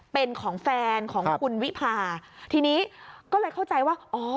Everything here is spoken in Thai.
เป็นของแฟนของคุณวิพาทีนี้ก็เลยเข้าใจว่าอ๋อ